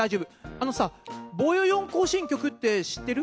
あのさ「ぼよよん行進曲」ってしってる？